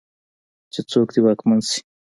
چې څوک دې واکمن شي.